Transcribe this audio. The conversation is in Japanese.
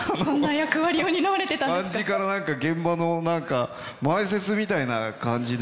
何か現場の前説みたいな感じで。